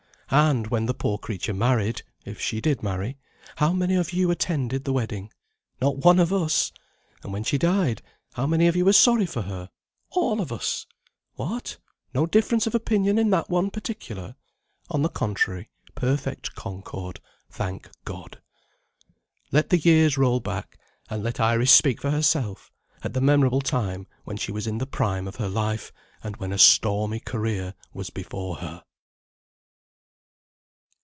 And, when the poor creature married (if she did marry), how many of you attended the wedding? Not one of us! And when she died, how many of you were sorry for her? All of us! What? no difference of opinion in that one particular? On the contrary, perfect concord, thank God. Let the years roll back, and let Iris speak for herself, at the memorable time when she was in the prime of her life, and when a stormy career was before her.